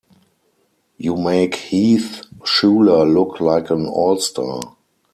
You make Heath Shuler look like an All-Star.